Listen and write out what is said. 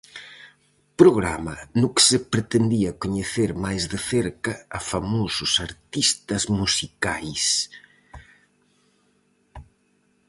Programa no que se pretendía coñecer máis de cerca a famosos artistas musicais.